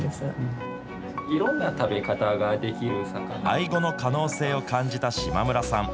アイゴの可能性を感じた島村さん。